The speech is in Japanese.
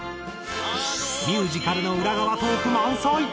ミュージカルの裏側トーク満載！